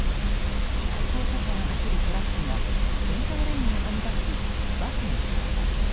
対向車線を走るトラックがセンターラインをはみ出しバスに衝突。